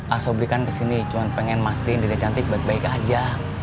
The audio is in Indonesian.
asok berikan kesini cuma pengen mastiin dede cantik baik baik aja